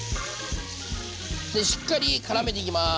でしっかりからめていきます。